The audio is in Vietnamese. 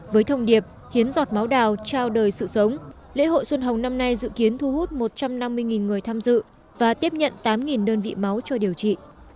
với thông điệp hiến giọt máu đào trao đời sự sống lễ hội xuân hồng năm nay dự kiến thu hút một trăm năm mươi người tham dự và tiếp nhận tám đơn vị máu cho điều trị